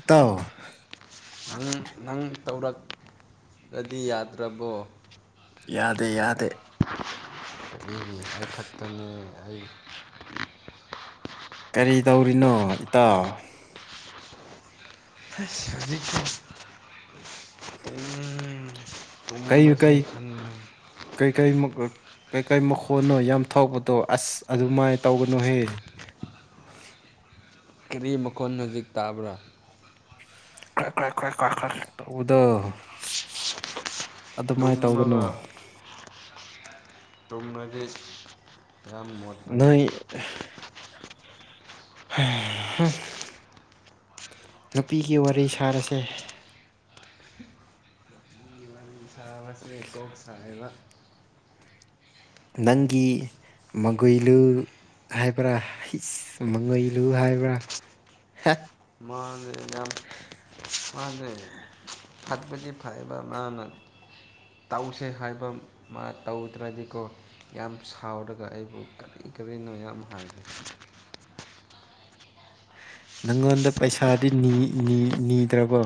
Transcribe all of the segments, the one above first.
ꯏꯇꯥꯎ ꯅꯪ ꯅꯪ ꯇꯧꯔꯛꯑꯗꯤ ꯌꯥꯗ꯭ꯔꯕꯣ ꯌꯥꯗꯦ ꯌꯥꯗꯦ ꯃꯤꯒꯤ ꯈꯛ ꯈꯛꯇꯅꯤ ꯑꯩ ꯀꯔꯤ ꯗꯧꯔꯤꯅꯣ ꯏꯇꯥ [unintelligible] ꯑꯗꯨꯨꯝꯃꯁꯦ ꯈꯪꯂ‌ꯦ ꯀꯩ ꯀꯩ ꯃꯛ ꯔ ꯀꯩ ꯀꯩ ꯃꯈꯣꯟꯅꯣ ꯌꯥꯝ ꯊꯣꯛꯄꯗꯣ ꯑꯁ ꯑꯗꯨꯃꯥꯏ ꯇꯧꯒꯅꯨꯍꯦ ꯀꯔꯤ ꯃꯈꯣꯟ ꯍꯧꯖꯤꯛ ꯇꯥꯕ꯭ꯔꯥ [unintelligible] ꯇꯧꯕꯗ‌ꯣ ꯇꯨꯝꯃꯒ ꯇꯨꯝꯃꯒꯤ ꯌꯥꯝ ꯃꯣꯠ ꯅꯣꯏ ꯎꯝ [unintelligible] ꯅꯨꯄꯤꯒꯤ ꯋꯥꯔꯤ ꯁꯥꯔꯁꯦ ꯉꯔꯥꯡ ꯉꯁꯤ ꯀꯣꯛ ꯁꯥꯢꯌꯦꯕ ꯅꯪꯒꯤ ꯃꯒꯣꯏꯂꯨ ꯍꯥꯏꯕ꯭ꯔꯥ [unintelligible] ꯍꯥꯏꯕ꯭ꯔꯥ ꯃꯥꯅꯦ ꯌꯥꯝ ꯃꯥꯅꯦ ꯐꯕꯗꯤ ꯐꯩꯕ ꯃꯅꯥ ꯇꯧꯁꯦ ꯍꯥꯏꯕ ꯃꯥ ꯇꯧꯗ꯭ꯔꯗꯤꯀꯣ ꯌꯥꯝ ꯁꯥꯎꯔꯒ ꯑꯩꯕꯨ ꯀꯔꯤ ꯀꯔꯤꯅꯣ ꯌꯥꯝ ꯍꯥꯡꯈ꯭ꯔꯦ ꯅꯪꯉꯣꯟꯗ ꯄꯩꯁꯥꯗꯤ ꯅꯤꯗ꯭ꯔꯕꯣ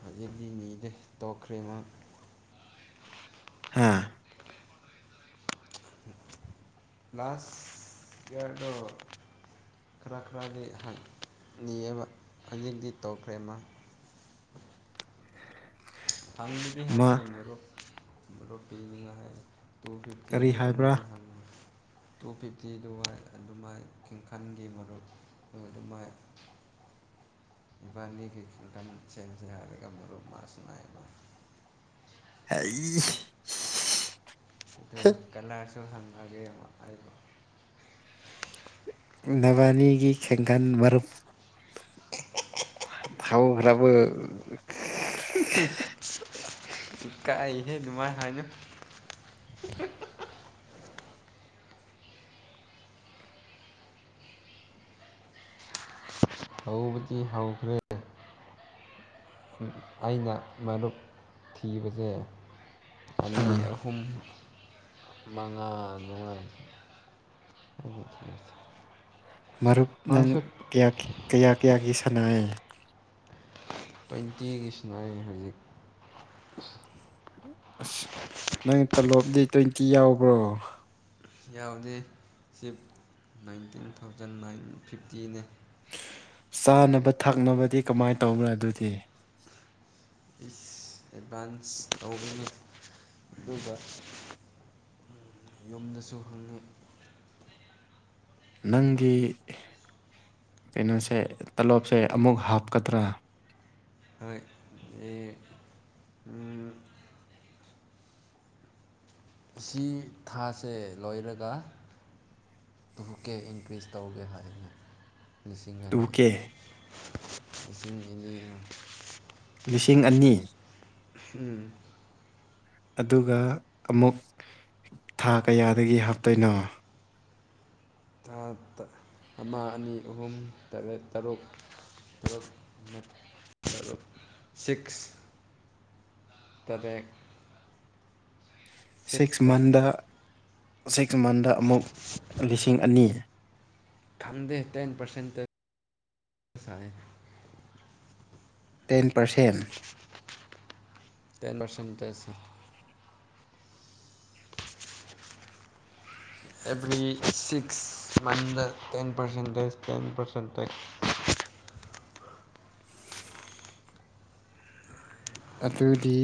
ꯍꯧꯖꯤꯛꯇꯤ ꯄꯤꯗꯦ ꯇꯣꯛꯈ꯭ꯔꯦ ꯃꯥ ꯎꯝ ꯂꯥꯁ ꯏꯌꯥꯔꯗꯣ ꯈꯔ ꯈꯔꯗꯤ ꯑꯍꯥꯟ ꯅꯤꯋꯦꯕ ꯑꯃ ꯍꯧꯖꯤꯛꯇꯤ ꯇꯧꯈ꯭ꯔꯦ ꯃꯥ ꯍꯥꯡꯕꯗꯤ ꯃꯥ ꯍꯥꯡꯅꯤ ꯃꯥꯔꯨꯞ [unintelligible] [unintelligible] [unintelligible] ꯇꯨ ꯐꯤꯐꯇꯤ ꯀꯔꯤ ꯍꯥꯏꯕ꯭ꯔꯥ ꯑꯗꯨꯒꯨꯝꯕꯗꯤ ꯍꯪꯗꯦ ꯇꯣ ꯐꯤꯞꯇꯤꯗꯨ ꯑꯗꯨꯃꯥꯏ [unintelligible] [unintelligible] ꯃꯔꯨꯞ ꯑꯗꯨꯃꯥꯏ ꯏꯕꯅꯤ [unintelligible] [unintelligible] ꯃꯔꯨꯞ ꯃꯥꯁꯨ ꯂꯥꯛꯑꯦ ꯑꯩ ꯑꯗꯨ ꯍꯦ ꯀꯂꯔꯁꯨ [unintelligible] [unintelligible] ꯍꯥꯏꯕ ꯅꯕꯥꯅꯤꯒꯤ [unintelligible] [unintelligible] [unintelligible] ꯐꯥꯎꯈ꯭ꯔꯕꯣ ꯢꯀꯥꯢꯍꯦ ꯑꯗꯨꯃꯥꯏꯅ ꯍꯥꯏꯅꯨ ꯍꯧꯕꯗꯤ ꯍꯧꯈ꯭ꯔꯦ ꯑꯩꯅ ꯃꯔꯨꯞ ꯊꯤꯕꯁꯦ ꯑꯅꯤ ꯑꯥ ꯑꯍꯨꯝ ꯃꯉꯥ ꯑꯗꯨꯃꯥꯢꯅ ꯃꯔꯨꯞ ꯅꯪ ꯀꯌꯥ ꯀꯌꯥꯒꯤ ꯁꯥꯟꯅꯔꯦ ꯇ꯭ꯋꯦꯟꯇꯤꯒꯤ ꯁꯥꯟꯅꯔꯦ ꯍꯧꯖꯤꯛ ꯑꯁ ꯅꯪ ꯇꯂꯣꯞꯗꯤ ꯇ꯭ꯋꯦꯟꯇꯤ ꯌꯥꯎꯕ꯭ꯔꯣ ꯌꯥꯎꯗꯦ ꯆꯤꯞ ꯅꯥꯏꯟꯇꯤꯟ ꯊꯥꯎꯖꯟ ꯅꯥꯏꯟ ꯐꯤꯐꯇꯤꯅꯦ ꯆꯥꯅꯕ ꯊꯛꯅꯕꯗꯤ ꯀꯃꯥꯏꯅ ꯇꯧꯕ꯭ꯔꯥ ꯑꯗꯨꯗꯤ ꯑꯦꯗꯚꯥꯟꯁ ꯇꯧꯕꯅꯤ ꯑꯗꯨꯒ ꯌꯨꯝꯗꯁꯨ ꯈꯪꯉꯦ ꯅꯪꯒꯤ ꯀꯩꯅꯣꯁꯦ ꯇꯂꯣꯞꯁꯦ ꯑꯃꯨꯛ ꯍꯥꯞꯀꯗ꯭ꯔꯥ ꯍꯣꯏ ꯑꯁꯤ ꯊꯥꯁꯦ ꯂꯣꯏꯔꯒ ꯇꯨꯀꯦ ꯏꯟꯀ꯭ꯔꯤꯁ ꯇꯧꯗꯨꯢ ꯃꯥꯜꯂꯤ ꯂꯤꯁꯤꯡ ꯇꯨ ꯑꯅꯤ ꯀꯦ ꯂꯤꯁꯤꯡ ꯑꯅꯤ ꯂꯤꯁꯤꯡ ꯑꯅꯤ ꯎꯝ ꯑꯗꯨꯒ ꯑꯃꯨꯛ ꯊꯥ ꯀꯌꯥꯗꯒꯤ ꯍꯥꯎꯗꯨꯏꯅꯣ ꯊꯥꯠꯇ ꯑꯃ ꯑꯅꯤ ꯑꯍꯨꯝ ꯇꯔꯦꯠ ꯇꯔꯨꯛ [inaudible] ꯇꯔꯦꯠ꯫ ꯁꯤꯛꯁ ꯁꯤꯛꯁꯇ ꯃꯟꯗ ꯁꯤꯛꯁ ꯃꯟꯗ ꯑꯃꯨꯛ ꯂꯤꯁꯤꯡ ꯑꯅꯤ꯫ ꯊꯝꯗꯦ ꯇꯦꯟ ꯄꯔꯁꯦꯟꯠ ꯇꯦꯛꯁ ꯂꯥꯛꯑꯦ꯫ Ten percent. Ten percentage. Every six ꯃꯟꯗ ten percentage ten percentage ꯑꯗꯨꯗꯤ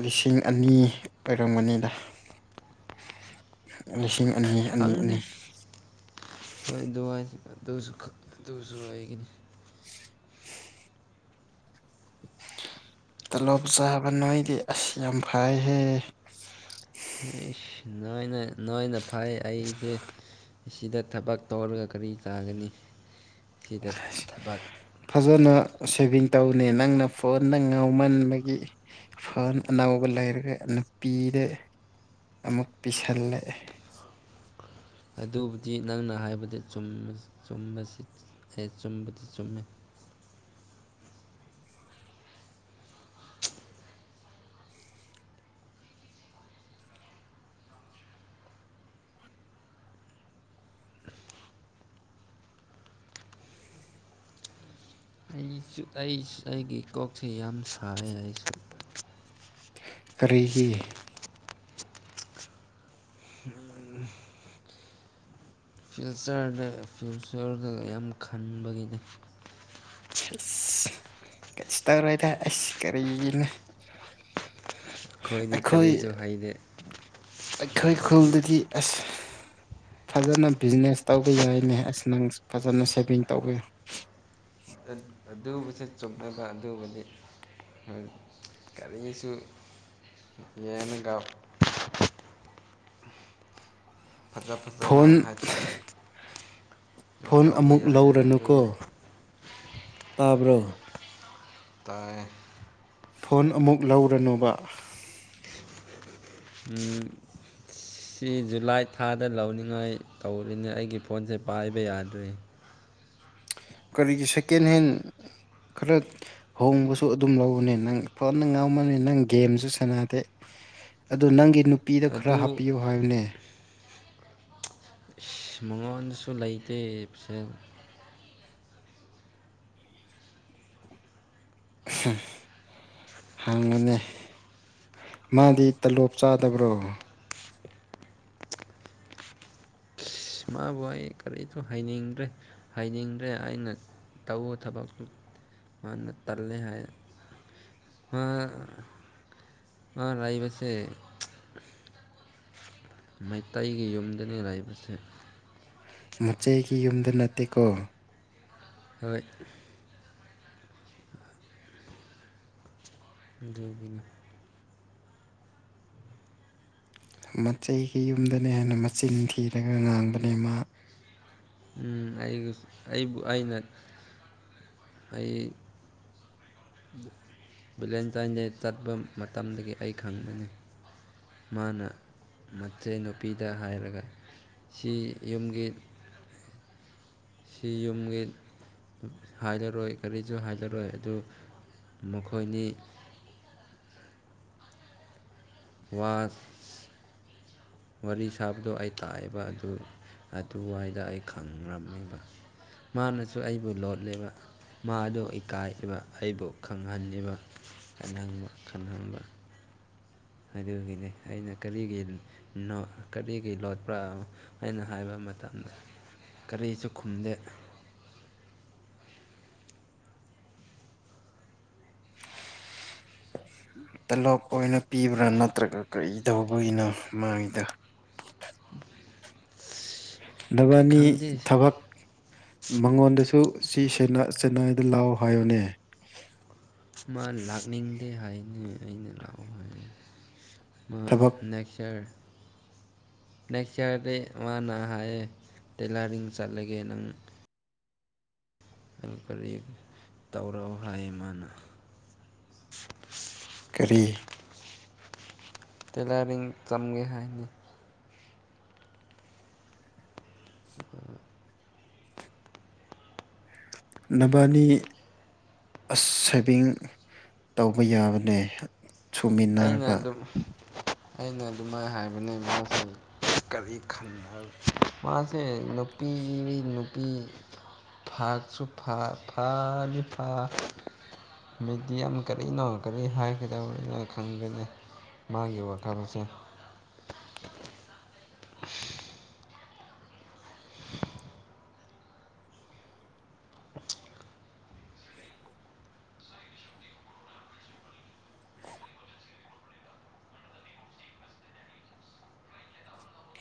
ꯂꯤꯁꯤꯡ ꯑꯅꯤ ꯑꯣꯏꯔꯝꯒꯅꯤꯗ꯫ ꯂꯤꯁꯤꯡ ꯑꯅꯤ ꯑꯅꯤ ꯈꯪꯗꯦ ꯑꯅꯤ꯫ ꯍꯣꯏ ꯑꯗꯨꯋꯥꯏ ꯑꯗꯨꯁꯨ ꯈ ꯑꯗꯨꯁꯨ ꯋꯥꯏꯒꯤꯅꯤ꯫ ꯇꯂꯣꯞ ꯆꯥꯕ ꯅꯣꯏꯗꯤ ꯑꯁ ꯌꯥꯝ ꯐꯥꯏꯍꯦ꯫ ꯏꯁ ꯅꯣꯏꯅ ꯅꯣꯏꯅ ꯐꯥꯏ ꯑꯩꯁꯦ꯫ ꯏꯁꯤꯗ ꯊꯕꯛ ꯇꯧꯔꯒ ꯀꯔꯤ ꯆꯥꯒꯅꯤ ꯁꯤꯗ ꯊꯕꯛ ꯐꯖꯅ ꯁꯦꯚꯤꯡ ꯇꯧꯅꯦ ꯅꯪꯅ ꯐꯣꯟꯗ ꯉꯥꯎꯃꯟꯕꯒꯤ ꯐꯣꯟ ꯑꯅꯧꯕ ꯂꯩꯔꯒ ꯅꯨꯄꯤꯗ ꯑꯃꯨꯛ ꯄꯤꯁꯜꯂꯦ꯫ ꯑꯗꯨꯕꯨꯗꯤ ꯅꯪꯅ ꯍꯥꯏꯕꯗꯤ ꯆꯨꯝꯕ ꯆꯨꯝꯕꯁꯤ ꯑꯦ ꯆꯨꯝꯕꯗꯤ ꯆꯨꯝꯃꯦ꯫ [unintelligible] ꯑꯩꯁꯨ ꯑꯩꯁ ꯑꯩꯒꯤ ꯀꯣꯛꯁꯦ ꯌꯥꯝ ꯁꯥꯑꯦ ꯑꯩꯁꯨ꯫ ꯀꯔꯤꯒꯤ꯫ [unintelligible] ꯐ꯭ꯌꯨꯆꯔꯗ ꯐ꯭ꯌꯨꯆꯔꯒ ꯌꯥꯝ ꯈꯟꯕꯒꯤꯅꯤ꯫ ꯑꯁ ꯀꯩꯁꯨ ꯇꯧꯔꯣꯏꯗ ꯑꯩꯁ ꯀꯔꯤꯒꯤꯅꯤ꯫ ꯑꯩꯈꯣꯏꯗꯤ ꯑꯩꯈꯣꯏ ꯀꯔꯤꯁꯨ ꯍꯩꯇꯦ ꯑꯩꯈꯣꯏ ꯅꯈꯣꯏꯗꯤ ꯈꯨꯜꯗꯗꯤ ꯑꯁ ꯐꯖꯅ ꯕꯤꯖꯤꯅꯦꯁ ꯇꯧꯕ ꯌꯥꯏꯅꯦ ꯑꯁ ꯅꯪ ꯐꯖꯅ ꯁꯦꯚꯤꯡ ꯇꯧꯕ ꯑꯗꯨꯕꯨꯁꯨ ꯆꯨꯝꯑꯦꯕ ꯑꯗꯨꯕꯨꯗꯤ꯫ ꯍꫭꯏ ꯀꯔꯤꯁꯨ ꯌꯦꯡꯔꯒ ꯐꯖ ꯐꯖꯅ ꯐꯣꯟ ꯍꯥꯏ ꯗꯨ ꯐꯣꯟ ꯇꯧꯕ ꯑꯃꯨꯛ ꯌꯥꯔꯦꯅ ꯑꯗꯨꯒꯤꯅꯤ꯫ ꯂꯧꯔꯅꯨꯀꯣ ꯇꯥꯕ꯭ꯔꯣ꯫ ꯇꯥꯑꯦ꯫ ꯐꯣꯟ ꯑꯃꯨꯛ ꯂꯧꯔꯅꯨꯕ꯫ [unintelligible] ꯁꯤ ꯖꯨꯂꯥꯏ ꯊꯥꯗ ꯂꯧꯅꯤꯡꯉꯥꯏ ꯇꯧꯔꯤꯅꯦ ꯑꯩꯒꯤ ꯐꯣꯟꯁꯦ ꯄꯥꯏꯕ ꯌꯥꯗ꯭ꯔꯦ꯫ ꯀꯔꯤꯒꯤ ꯁꯦꯀꯦꯟ ꯍꯦꯟ ꯈꯔ ꯍꯣꯡꯕꯁꯨ ꯑꯗꯨꯝ ꯂꯧꯕꯅꯦ ꯅꯪ ꯐꫭꯟꯗ ꯉꯥꯎꯝꯃꯟꯂꯤ ꯅꯪ ꯒꯦꯝꯁꯨ ꯁꯥꯟꯅꯗꯦ꯫ ꯑꯗꯨ ꯅꯪꯒꯤ ꯅꯨꯄꯤꯗ ꯈꯔ ꯑꯗꯨ ꯍꯥꯞꯄꯤꯌꯨ ꯍꯥꯏꯑꫭꯅꯦ꯫ ꯏꯁ ꯃꯉꯣꯟꯗꯁꯨ ꯂꯩꯇꯦ ꯄꯩꯁꯥ꯫ ꯍꯪꯉꯨꯅꯦ꯫ ꯃꯥꯗꯤ ꯇꯜꯂꯣꯞ ꯆꯥꯗꯕ꯭ꯔꯣ꯫ ꯑꯁ ꯃꯥꯕꯨ ꯑꯩ ꯀꯔꯤꯁꯨ ꯍꯥꯏꯅꯤꯡꯗ꯭ꯔꯦ ꯍꯥꯏꯅꯤꯡꯗ꯭ꯔꯦ ꯑꯩꯅ ꯇꯧꯕ ꯊꯕꯛꯇꯨ ꯃꯥꯟꯅ ꯇꯜꯂꯦ ꯍꯥꯏꯌꯦ꯫ ꯃꯥ ꯃꯥ ꯂꯩꯕꯁꯦ ꯃꯩꯇꯩꯒꯤ ꯌꯨꯝꯗꯅꯤ ꯂꯩꯕꯁꯦ꯫ ꯃꯆꯦꯒꯤ ꯌꯨꯝꯗ ꯅꯠꯇꯦꯀꯣ꯫ ꯍꯣꯏ꯫ [unintelligible] ꯑꯗꯨꯒꯤꯅꯦ꯫ ꯃꯆꯩꯒꯤ ꯌꯨꯝꯗꯅꯦ ꯍꯥꯢꯅ ꯃꯆꯤꯟ ꯊꯤꯔꯒ ꯉꯥꯡꯕꯅꯦ ꯃꯥ꯫ ꯎꯝ ꯑꯩꯒ ꯑꯩꯕꯨ ꯑꯩꯅ ꯑꯩ ꯚꯦꯂꯦꯟꯇꯥꯏꯟ ꯗꯦ ꯆꯠꯄ ꯃꯇꯝꯗꯒꯤ ꯑꯩ ꯈꯪꯒꯅꯤ꯫ ꯃꯥꯅ ꯃꯆꯦ ꯅꯨꯨꯄꯤꯗ ꯍꯥꯏꯔꯒ ꯆꯦ ꯌꯨꯝꯒꯤ ꯁꯤ ꯌꯨꯝꯒꯤ ꯍꯥꯏꯔꯔꯣꯏ ꯀꯔꯤꯁꯨ ꯍꯥꯏꯔꯔꯣꯏ ꯑꯗꯨ ꯃꯈꯣꯏꯅꯤ꯫ ꯋꯥꯁ ꯋꯥꯔꯤ ꯁꯥꯕꯗꯣ ꯑꯩ ꯇꯥꯢꯑꯦꯕ ꯑꯗꯨ ꯑꯗꯨꯋꯥꯏꯗ ꯑꯩ ꯈꯪꯔꯝꯃꯤꯕ ꯃꯥꯅꯁꯨ ꯑꯩꯕꯨ ꯂꯣꯠꯂꯦꯕ꯫ ꯃꯥꯗꯣ ꯏꯀꯥꯏꯈꯤꯕ ꯑꯩꯕꯨ ꯈꯪꯍꯜꯅꯤꯕ ꯈꯪꯍꯪꯕ ꯈꯪꯍꯟꯕ꯫ ꯑꯗꯨꯒꯤꯅꯦ ꯑꯩꯅ ꯀꯔꯤꯒꯤ ꯅꯣꯠ ꯀꯔꯤꯒꯤ ꯂꯣꯠꯄ꯭ꯔ ꯑꯩꯅ ꯍꯥꯏꯕ ꯃꯇꯝꯗ꯫ ꯀꯔꯤꯁꯨ ꯈꯨꯝꯗꯦ꯫ ꯇꯂꯣꯞ ꯑꯣꯏꯅ ꯄꯤꯕ꯭ꯔꯥ ꯅꯠꯇ꯭ꯔꯒ ꯀꯔꯤ ꯇꯧꯕꯒꯤꯅꯣ ꯃꯥꯢꯗꯨ꯫ ꯅꯕꯥꯅꯤ ꯈꯪꯗꯦ ꯊꯕꯛ꯫ ꯃꯉꯣꯟꯗꯁꯨ ꯁꯤ ꯁꯦꯡꯅ ꯆꯦꯟꯅꯥꯏꯗ ꯂꯥꯛꯑꯣ ꯍꯥꯏꯌꯣꯅꯦ꯫ ꯃꯥ ꯂꯥꯛꯅꯤꯡꯗꯦ ꯍꯥꯏꯅꯦ ꯑꯩꯅ ꯂꯥꯛꯑꯣ ꯍꯥꯏ ꯃꯥ ꯊꯕꯛ ꯅꯦꯛꯁꯆꯔ꯫ ꯅꯦꯛꯁ ꯏꯌꯥꯔꯗꯤ ꯃꯥꯅ ꯍꯥꯏꯌꯦ ꯇꯦꯂꯔꯤꯡ ꯆꯠꯂꯒꯦ ꯅꯪ ꯅꯪ ꯀꯔꯤ ꯇꯧꯔꯛꯎ ꯍꯥꯏꯌꯦ ꯃꯥꯅ꯫ ꯀꯔꯤ꯫ ꯇꯦꯂꯔꯤꯡ ꯆꯝꯒꯦ ꯍꯥꯏꯅꯦ꯫ [inaudible] ꯅꯕꯥꯅꯤ꯫ ꯑꯁ ꯁꯦꯚꯤꯡ ꯇꯧꯕ ꯌꯥꯕꯅꯦ꯫ ꯑꯩꯅ ꯁꯨꯃꯤꯟꯅꯔꯒ ꯑꯗꯨꯝ ꯑꯩꯅ ꯑꯗꯨꯃꯥꯏꯅ ꯍꯥꯏꯕꯅꯦ ꯃꯥꯁ ꯀꯔꯤ ꯈꯟꯕ ꯃꯥꯁꯦ ꯅꯨꯄꯤꯃꯤ ꯅꯨꯄꯤ ꯐꯛꯁꯨ ꯐ ꯐꯥꯅꯤ ꯐ꯫ ꯃꯦꯗꯤꯌꯝ ꯀꯔꯤꯅꯣ ꯀꯔꯤ ꯍꯥꯏ ꯀꯥꯗꯧꯕꯅꯣ꯫ ꯈꯪꯗꯦꯅꯦ ꯃꯥꯒꯤ ꯋꯥꯈꯜꯁꯦ꯫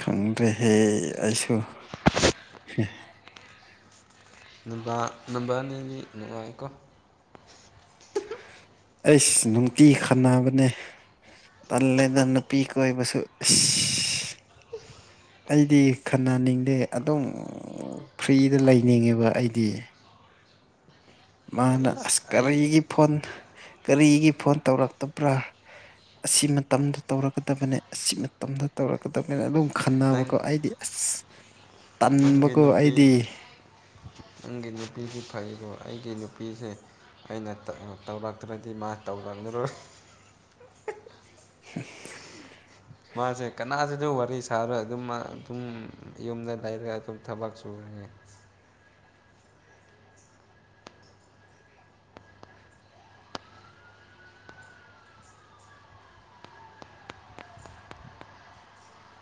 ꯈꯪꯗ꯭ꯔꯦꯍꯦ ꯑꯩꯁꯨ ꯍꯦ ꯅꯨꯕ ꯅꯨꯕꯅꯤꯒꯤ ꯅꯨꯡꯉꯥꯏꯀꯣ꯫ ꯑꯩꯁ ꯅꯨꯡꯇꯤ ꯈꯟꯅꯕꯅꯦ꯫ ꯇꯜꯂꯦꯗ ꯅꯨꯄꯤ ꯀꯣꯏꯕꯁꯨ ꯏꯁ ꯑꯩꯗꯤ ꯈꯟꯅꯅꯤꯡꯗꯦ ꯑꯗꯨꯝ꯫ ꯐ꯭ꯔꯤꯗ ꯂꯩꯅꯤꯡꯉꯦꯕ ꯑꯩꯗꯤ꯫ ꯃꯥꯅ ꯑꯩ ꯑꯁ ꯑꯩ ꯀꯔꯤꯒꯤ ꯐꯣꯟ ꯀꯔꯤꯒꯤ ꯐꯣꯟ ꯇꯧꯔꯛꯇꯕ꯭ꯔꯥ꯫ ꯑꯁꯤ ꯃꯇꯝꯗ ꯇꯧꯔꯛꯀꯗꯕꯅꯦ ꯑꯁꯤ ꯃꯇꯝꯗ ꯇꯧꯔꯛꯀꯗꯕꯅꯦ ꯑꯗꯨꯝ ꯅꯪ ꯈꯟꯅꯕꯀꯣ ꯑꯩꯗꯤ ꯑꯁ ꯅꯪꯒꯤ ꯇꯟꯕꯀꯣ ꯅꯨꯄꯤ ꯑꯩꯗꯤ ꯅꯪꯒꯤ ꯅꯨꯄꯤꯗꯤ ꯐꯩꯗꯣ ꯑꯩꯒꯤ ꯅꯨꯄꯤꯁꯦ ꯑꯩꯅ ꯇꯧꯔꯛ ꯇꯧꯔꯛꯇ꯭ꯔꯗꯤ ꯃꯥ ꯇꯧꯔꯛꯂꯔꯣꯏ ꯎꯝ ꯃꯥꯁꯦ ꯀꯅꯥꯗꯁꯨ ꯋꯥꯔꯤ ꯁꯥꯔꯣꯏ ꯑꯗꯨꯝ ꯑꯗꯨꯝ ꯌꯨꯝꯗ ꯂꯩꯔꯒ ꯑꯗꯨꯝ ꯊꯕꯛ ꯁꯨꯨꯕꯅꯦ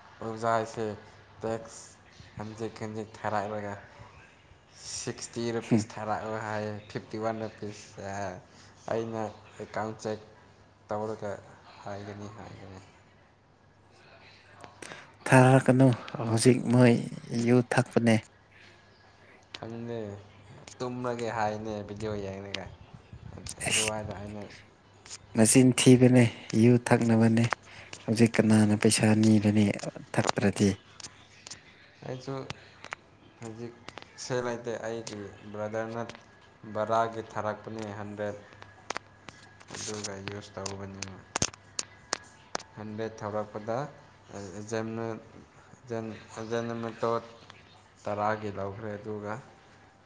[unintelligible] ꯇꯦꯛꯁ ꯈꯖꯤꯛ ꯈꯖꯤꯛ ꯊꯥꯔꯛꯂꯒ ꯁꯤꯛꯁꯇꯤ ꯍꯨꯝ ꯔꯨꯄꯤꯁ ꯊꯥꯔꯛꯑꯣ ꯍꯥꯏꯍꯦ ꯐꯤꯞꯇꯤ ꯋꯥꯟ ꯐꯤꯁ ꯑꯩꯅ ꯑꯦꯀꯥꯎꯟ ꯆꯦꯛ ꯇꯧꯔꯒ ꯍꯥꯏꯒꯅꯤ ꯍꯥꯏꯒꯅꯤ ꯊꯥꯔꯛꯀꯅꯨ ꯍꯧꯖꯤꯛ ꯃꯣꯏ ꯌꯨ ꯊꯛꯄꯅꯦ ꯑꯗꯨꯅꯦ ꯇꯨꯝꯃꯒꯦ ꯍꯥꯏꯕꯅꯦ ꯚꯤꯗꯤꯑꯣ ꯌꯦꯡꯉꯒ ꯑꯁ ꯑꯗꯨꯋꯥꯏꯗ ꯑꯩꯅ ꯃꯆꯤꯟ ꯊꯤꯕꯅꯦ ꯌꯨ ꯊꯛꯅꯕꯅꯦ ꯍꯧꯖꯤꯛ ꯀꯅꯥꯅ ꯄꯩꯁꯥ ꯅꯤꯔꯅꯤ ꯊꯛꯇ꯭ꯔꯗꯤ ꯑꯩꯁꯨ ꯍꯧꯖꯤꯛ ꯁꯦꯜ ꯂꯩꯇꯦ ꯑꯩꯒꯤ ꯕ꯭ꯔꯗꯔꯅ ꯕꯔꯥꯒꯤ ꯊꯥꯔꯛꯄꯅꯤ ꯍꯟꯗ꯭ꯔꯦꯠ ꯑꯗꯨꯒ ꯌꯨꯁ ꯇꯧꯕꯅꯤꯅ ꯍꯟꯗ꯭ꯔꯦꯗ ꯊꯥꯔꯛꯄꯗ [unintelligible] [unintelligible] ꯇꯔꯥꯒꯤ ꯂꯧꯈ꯭ꯔꯦ ꯑꯗꯨꯒ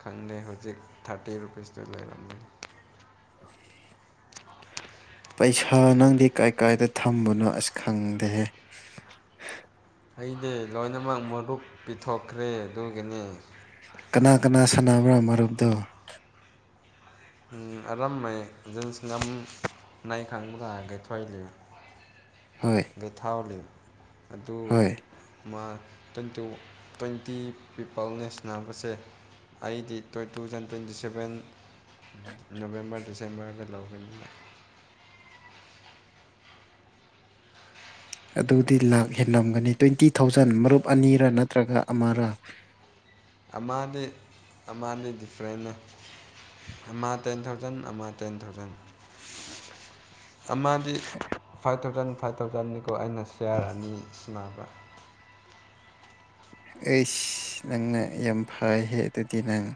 ꯈꯪꯗꯦ ꯍꯧꯖꯤꯛ ꯊꯥꯔꯇꯤ ꯔꯨꯄꯤꯁꯇꯨ ꯂꯩꯔꯝꯕꯅꯤ ꯄꯩꯁꯥ ꯅꯪꯗꯤ ꯀꯥꯏ ꯀꯥꯏꯗ ꯊꯝꯕꯅꯣ ꯑꯁ ꯈꯪꯗꯦꯍꯦ ꯑꯩꯗꯤ ꯂꯣꯏꯅꯃꯛ ꯃꯔꯨꯞ ꯄꯤꯊꯣꯛꯈ꯭ꯔꯦ ꯑꯗꯨꯒꯤꯅꯤ ꯀꯅꯥ ꯀꯅꯥ ꯁꯥꯟꯅꯕ꯭ꯔꯥ ꯃꯔꯨꯞꯗꯣ [unintelligible] [unintelligible] [unintelligible] [unintelligible] ꯍꯣꯏ [unintelligible] ꯑꯗꯨ ꯍꯣꯏ ꯃꯥ ꯇ꯭ꯋꯦꯟꯇꯤ ꯇ꯭ꯋꯦꯟꯇꯤ ꯄꯤꯄꯜꯅꯦ ꯁꯥꯟꯅꯕꯁꯦ ꯑꯩꯗꯤ ꯇꯨ ꯊꯥꯎꯖꯟ ꯇ꯭ꯋꯦꯟꯇꯤ ꯁꯕꯦꯟ ꯎꯝ ꯅꯕꯦꯝꯕꯔ ꯗꯤꯁꯦꯝꯕꯔꯗ ꯂꯧꯒꯅꯤ ꯑꯗꯨꯗꯤ ꯂꯥꯛ ꯍꯦꯟꯂꯝꯒꯅꯤ ꯇ꯭ꯋꯦꯟꯇꯤ ꯊꯥꯎꯖꯟ ꯃꯔꯨꯞ ꯑꯅꯤꯔ ꯅꯠꯇ꯭ꯔꯒ ꯑꯃꯔ ꯑꯃꯅꯦ ꯑꯃꯅꯦ ꯗꯤꯐ꯭ꯔꯦꯟꯅꯦ ꯑꯃ ꯇꯦꯟ ꯊꯥꯎꯖꯟ ꯑꯃ ꯇꯦꯟ ꯊꯥꯎꯖꯟ ꯑꯃꯗꯤ ꯎꯝ [unintelligible] ꯐꯥꯏꯚ ꯊꯥꯎꯖꯟ ꯐꯥꯏꯚ ꯊꯥꯎꯖꯟꯅꯤꯀꯣ ꯑꯩꯅ ꯁꯤꯌꯥꯔ ꯑꯅꯤ ꯁꯥꯅꯕ ꯑꯩꯁ ꯅꯪꯅ ꯌꯥꯝ ꯐꯩꯍꯦ ꯑꯗꯨꯗꯤ ꯅꯪ